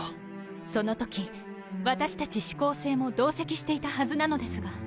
その時私たち四煌星も同席していたはずなのですが。